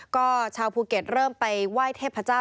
ก็ชาวภูเก็ตเริ่มไปไหว้เทพเจ้า